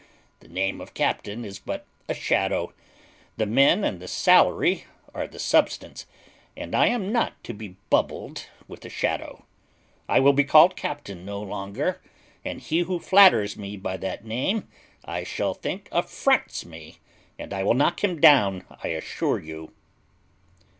The name of captain is but a shadow: the men and the salary are the substance; and I am not to be bubbled with a shadow. I will be called captain no longer, and he who flatters me by that name I shall think affronts me, and I will knock him down, I assure you."